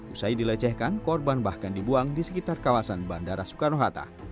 usai dilecehkan korban bahkan dibuang di sekitar kawasan bandara soekarno hatta